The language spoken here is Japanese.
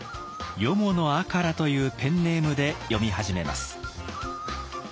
四方赤良というペンネームで詠み始めます。